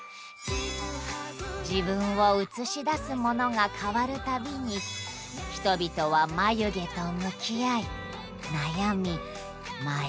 自分をうつし出すものが変わる度に人々は「眉毛」と向き合い悩み迷い。